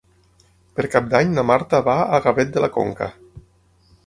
Per Cap d'Any na Marta va a Gavet de la Conca.